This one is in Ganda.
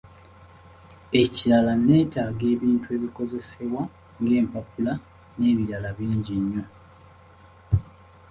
Ekirala netaaga ebintu ebikozesebwa ng'empapula n'ebirala bingi nnyo.